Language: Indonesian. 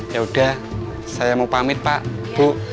ya udah saya mau pamit pak bu